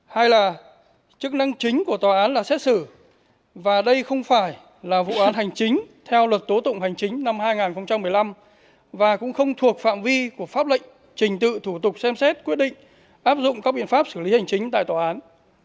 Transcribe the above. hai là chức năng chính của tòa án là xét xử và đây không phải là vụ án hành chính theo luật tố tụng hành chính năm hai nghìn một mươi năm và cũng không thuộc phạm vi của pháp lệnh trình tự thủ tục xem xét quyết định áp dụng các biện pháp xử lý hành chính tại tòa án